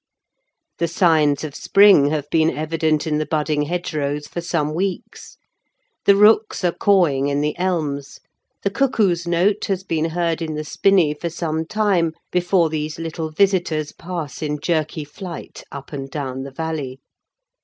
The signs of spring have been evident in the budding hedgerows for some weeks. The rooks are cawing in the elms, the cuckoo's note has been heard in the spinney for some time before these little visitors pass in jerky flight up and down the valley.